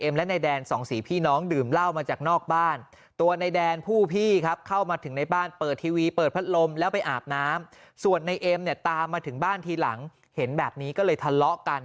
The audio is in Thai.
มาถึงบ้านทีหลังเห็นแบบนี้ก็เลยทะเลาะกัน